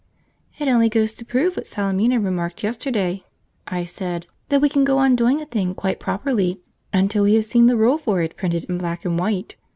"It only goes to prove what Salemina remarked yesterday," I said: "that we can go on doing a thing quite properly until we have seen the rule for it printed in black and white.